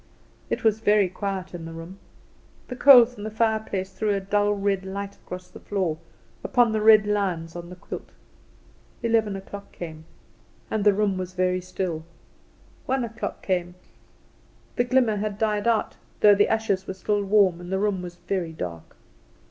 It was very quiet in the room. The coals in the fireplace threw a dull red light across the floor upon the red lions on the quilt. Eleven o'clock came, and the room was very still. One o'clock came. The glimmer had died out, though the ashes were still warm, and the room was very dark.